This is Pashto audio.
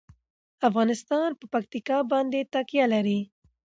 افغانستان په پکتیکا باندې تکیه لري.